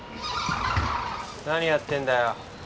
何やってんだよ。